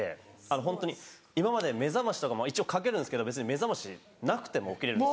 ホントに今まで目覚ましとかも一応かけるんですけど別に目覚ましなくても起きれるんです。